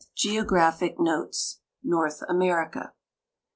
GEOGRAPHIC NOTES NORTH AMERICA C.